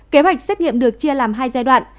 kế hoạch xét nghiệm được chia làm hai giai đoạn